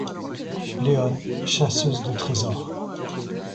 Leone : chasseuse de trésor.